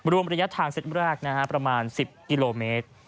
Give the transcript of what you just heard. รวมระยะทางเซตแรกประมาณ๑๐กิโลเมตร